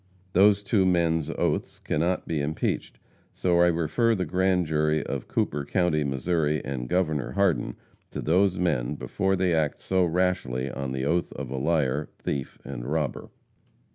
Those two men's oaths cannot be impeached, so I refer the grand jury of Cooper county, Mo., and Gov. Hardin to those men before they act so rashly on the oath of a liar, thief and robber.